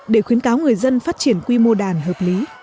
để khuyến cáo người dân phát triển quy mô đàn hợp lý